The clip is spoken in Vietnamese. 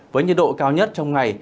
với nhiệt độ cao nhất trong ngày